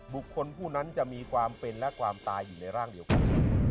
บุคคลผู้นั้นจะมีความเป็นและความตายอยู่ในร่างเดียวกัน